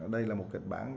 đây là một kịch bản